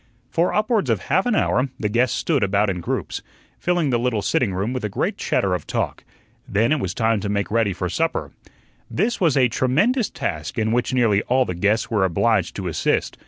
For upwards of half an hour the guests stood about in groups, filling the little sitting room with a great chatter of talk. Then it was time to make ready for supper. This was a tremendous task, in which nearly all the guests were obliged to assist.